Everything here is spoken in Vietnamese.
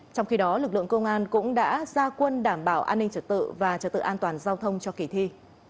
trong khi đó lực lượng công an cũng đã ra quân đảm bảo an ninh trật tự và trật tự an toàn giao thông cho kỳ thi